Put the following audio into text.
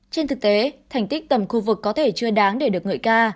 trên thực tế thành tích tầm khu vực có thể chưa đáng để được ngợi ca